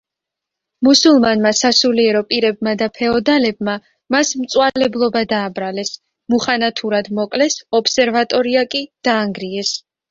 მუსულმანმა სასულიერო პირებმა და ფეოდალებმა მას მწვალებლობა დააბრალეს, მუხანათურად მოკლეს, ობსერვატორია კი დაანგრიეს.